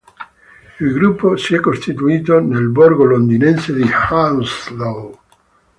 Il gruppo si è costituito nel borgo londinese di Hounslow.